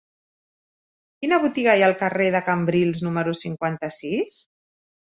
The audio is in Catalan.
Quina botiga hi ha al carrer de Cambrils número cinquanta-sis?